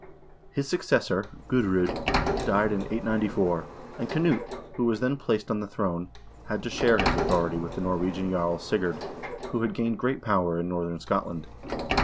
His successor, Gudr0d, died in 894, and Knut, who was then placed on the throne, had to share his authority with the Norwegian jarl, Sigurd, who had gained great power in northern Scotland.